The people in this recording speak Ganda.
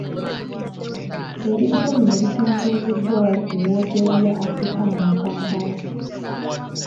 Ebitabo bino bitongozeddwa wali ku wooteeri ya Africana mu Kampala.